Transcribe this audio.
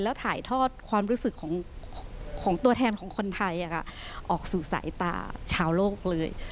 แล้วถ่ายทอดความรู้สึกของตัวแทนของคนไทยออกสู่สายตาชาวโลกเลย